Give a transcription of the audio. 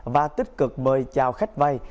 và tích cực mời chào khách vay